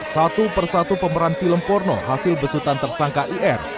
satu persatu pemeran film porno hasil besutan tersangka ir